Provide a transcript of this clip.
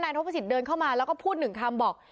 ทพสิทธิเดินเข้ามาแล้วก็พูดหนึ่งคำบอก